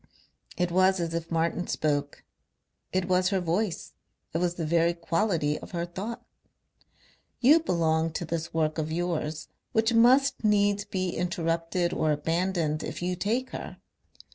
It was as if Martin spoke; it was her voice; it was the very quality of her thought. "You belong to this work of yours, which must needs be interrupted or abandoned if you take her.